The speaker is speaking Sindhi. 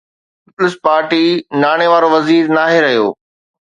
پيپلز پارٽي ناڻي وارو وزير ناهي رهيو؟